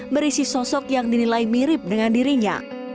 berisi sosok yang dinilai mirip dengan dirinya